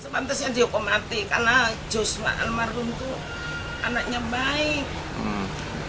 pada nangis semua itu kehandalan orang sungai bahar